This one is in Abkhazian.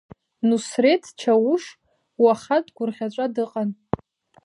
Нусрет Чауш уаха дгәырӷьаҵәа дыҟан.